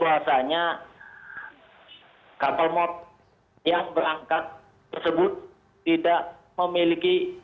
bahasanya kapal mob yang berangkat tersebut tidak memiliki